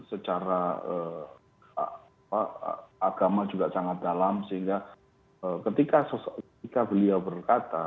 secara agama juga sangat dalam sehingga ketika beliau berkata